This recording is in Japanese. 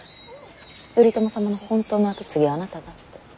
頼朝様の本当の跡継ぎはあなただって。